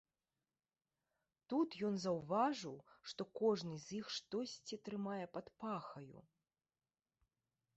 Тут ён заўважыў, што кожны з іх штосьці трымае пад пахаю.